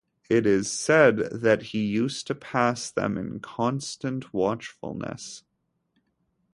It is said that he used to pass them in constant watchfulness.